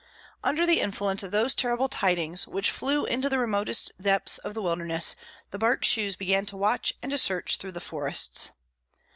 Under the influence of those terrible tidings, which flew into the remotest depths of the wilderness, the Bark shoes began to watch and to search through the forests.